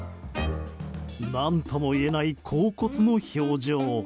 何とも言えない恍惚の表情。